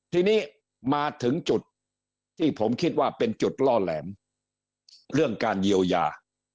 ทีนี้มาถึงจุดที่ผมคิดว่าเป็นจุดล่อแหลมเรื่องการเยียวยา